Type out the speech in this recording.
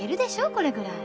これぐらい。